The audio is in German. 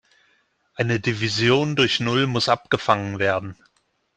Eine Division durch null muss abgefangen werden.